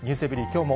きょうも